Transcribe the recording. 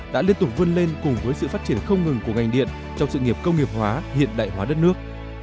đã liên tục vươn lên cùng với sự phát triển không ngừng của ngành điện trong sự nghiệp công nghiệp hóa hiện đại hóa đất nước